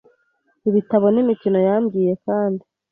ibitabo n'imikinoYambwiye kandi